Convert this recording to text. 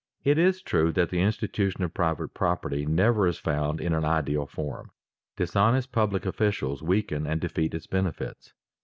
It is true that the institution of private property never is found in an ideal form. Dishonest public officials weaken and defeat its benefits.